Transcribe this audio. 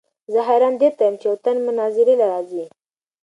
زۀ حېران دې ته يم چې يو تن مناظرې له راځي